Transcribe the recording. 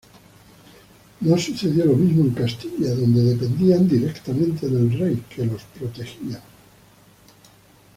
No sucedió lo mismo en Castilla donde dependían directamente del rey, que los protegía.